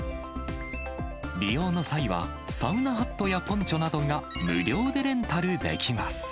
利用の際は、サウナハットやポンチョなどが無料でレンタルできます。